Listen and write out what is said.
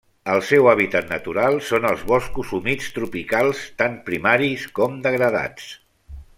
El seu hàbitat natural són els boscos humits tropicals, tant primaris com degradats.